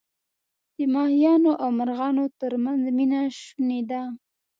د ماهیانو او مرغانو ترمنځ مینه شوني ده.